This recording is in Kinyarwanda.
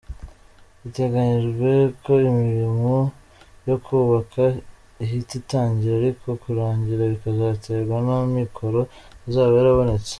Biteganyijwe ko imirimo yo kubaka ihita itangira ariko kurangira bikazaterwa n’amikoro azaba yarabonetse.